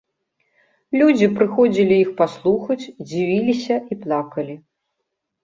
Людзі прыходзілі іх паслухаць, дзівіліся і плакалі.